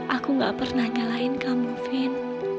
aku gak pernah nyalahin kamu vin